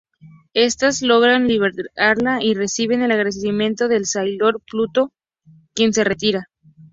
Estas logran liberarla y reciben el agradecimiento de Sailor Pluto, quien se retira.